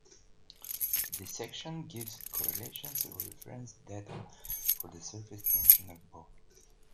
This section gives correlations of reference data for the surface tension of both.